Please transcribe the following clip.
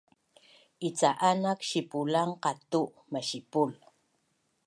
Ica’anak sipulan Qatu’ masipul